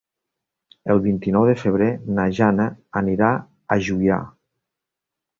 El vint-i-nou de febrer na Jana anirà a Juià.